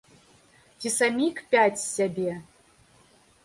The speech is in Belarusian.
Ці самі кпяць з сябе.